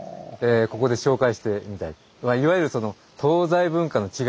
ここで紹介してみたい。